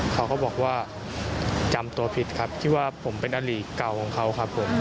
เขาก็บอกว่าจำตัวผิดครับที่ว่าผมเป็นอดีตเก่าของเขาครับผม